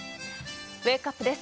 ウェークアップです。